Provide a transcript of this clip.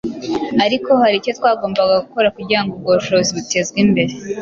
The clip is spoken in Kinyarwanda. ariko hari icyo twagombaga gukora kugirango ubwo bushobozi butezwe imbere.